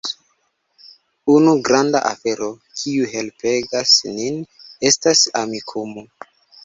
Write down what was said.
Unu granda afero, kiu helpegas nin, estas Amikumu.